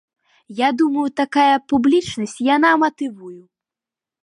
Я думаю такая публічнасць яна матывую.